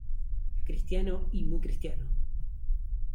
¡ cristiano, y muy cristiano!